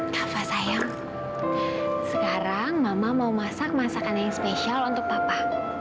kakak sayang sekarang mama mau masak masakan yang spesial untuk papa